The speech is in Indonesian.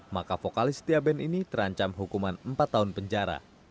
maka vokalis setia band ini terancam hukuman empat tahun penjara